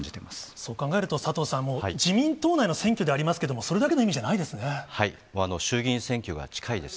そう考えると佐藤さん、もう、自民党内の選挙でありますけれども、それだけの意味じゃないです衆議院選挙が近いです。